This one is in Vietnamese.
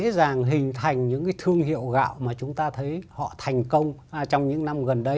trước kia campuchia là một trong những thương hiệu gạo mà chúng ta thấy họ thành công trong những năm gần đây